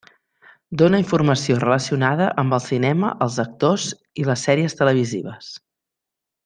Dóna informació relacionada amb el cinema, els actors i les sèries televisives.